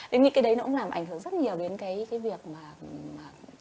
thế nên cái đấy nó cũng làm ảnh hưởng rất nhiều đến cái việc mà